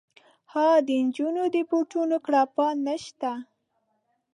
ها د نجونو د بوټونو کړپا نه شته